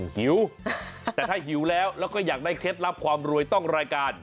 หิวแต่ถ้าหิวแล้วแล้วก็อยากได้เคล็ดลับความรวยต้องรายการ